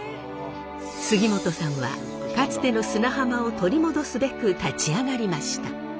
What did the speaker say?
杉本さんはかつての砂浜を取り戻すべく立ち上がりました。